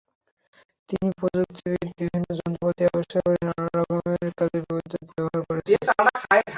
কিন্তু প্রযুক্তিবিদগণ বিভিন্ন যন্ত্রপাতি আবিষ্কার করে নানা রকম কাজে বিদ্যুত্ ব্যবহার করেছেন।